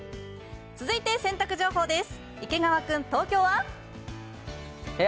続いて洗濯情報です。